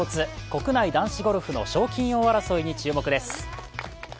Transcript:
国内男子ゴルフの賞金王争いに注目です。